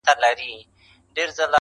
• چي جومات یې په خپل ژوند نه وو لیدلی -